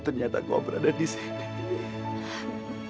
ternyata kau berada disini